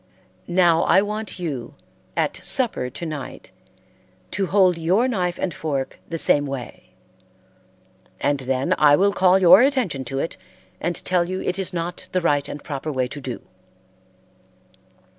Now I want you, at supper to night, to hold your knife and fork the same way, and then I will call your attention to it and tell you it is not the right and proper way to do."